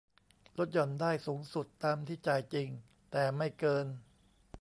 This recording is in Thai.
ลดหย่อนได้สูงสุดตามที่จ่ายจริงแต่ไม่เกิน